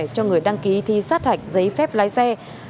cho người đăng ký thi sát hạch giấy phép lái xe